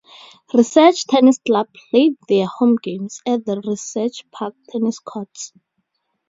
Research Tennis Club play their home games at the Research Park Tennis Courts.